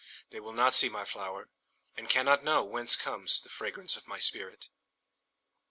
They will not see my flower, And cannot knowWhence comes the fragrance of my spirit!